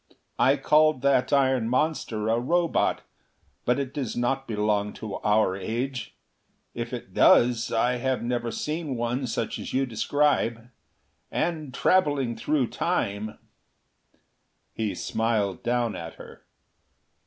I called that iron monster a Robot. But it does not belong to our age: if it does I have never seen one such as you describe. And traveling through Time " He smiled down at her.